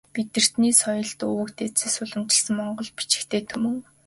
Бидэртний соёлт өвөг дээдсээс уламжилсан монгол бичигтэй түмэн.